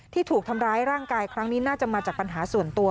ที่ถูกทำร้ายร่างกายครั้งนี้น่าจะมาจากปัญหาส่วนตัว